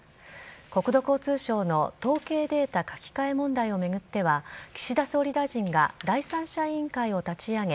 国土交通省の統計データ書き換え問題を巡っては岸田総理大臣が第三者委員会を立ち上げ